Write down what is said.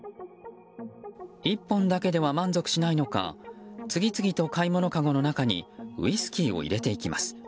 １本だけでは満足しないのか次々と買い物かごの中にウイスキーを入れていきます。